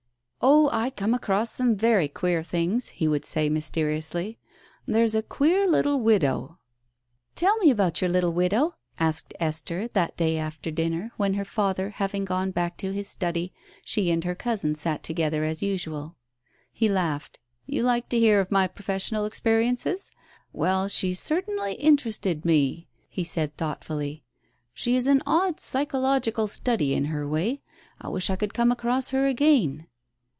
"Oh, I come across very queer things !" he would say mysteri ously, "There's a queer little widow ——!" Digitized by Google THE PRAYER 109 "Tell me about your little widow? " asked Esther that day after dinner, when, her father having gone back to his study, she and her cousin sat together as usual. He laughed. "You like to hear of my professional experiences? Well, she certainly interested me," he said thoughtfully. "She is an odd psychological study in her way. I wish I could come across her again."